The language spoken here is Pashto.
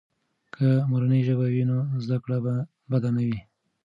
که مورنۍ ژبه وي، نو زده کړه به بده نه وي.